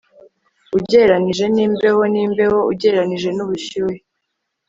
Ugereranije nimbeho nimbeho ugereranije nubushyuhe